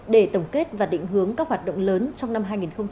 để tổng kết và định hướng các hoạt động lớn trong năm hai nghìn một mươi chín